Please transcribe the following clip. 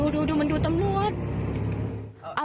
ดูมันดูตำรวจ